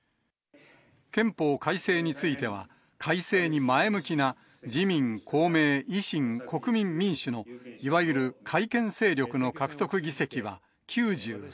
憲法改正については、改正に前向きな自民、公明、維新、国民民主のいわゆる改憲勢力の獲得議席は９３。